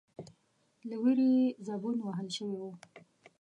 ، له وېرې يې زبون وهل شوی و،